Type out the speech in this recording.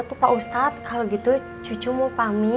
sumbat penghujvah suju mungkin